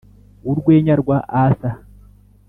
'urwenya rwa arthur